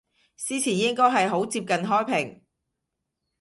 司前應該係好接近開平